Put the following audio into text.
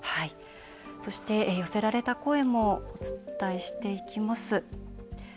そして、寄せられた声もお伝えしていきます。